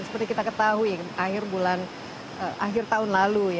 seperti kita ketahui akhir bulan akhir tahun lalu ya